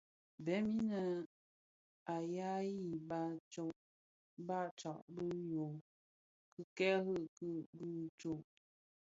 Bèè inë ù yaghii, baà tsad bi yô tikerike bì ntó.